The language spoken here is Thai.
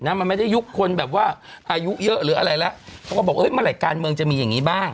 มันไม่ได้ยุคคนแบบว่าอายุเยอะหรืออะไรแล้วเขาก็บอกเอ้ยเมื่อไหร่การเมืองจะมีอย่างงี้บ้าง